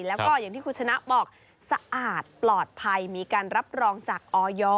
แล้วก็อย่างที่คุณชนะบอกสะอาดปลอดภัยมีการรับรองจากออย